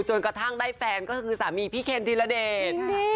จนกระทั่งได้แฟนก็คือสามีพี่เข็มทิรดิจ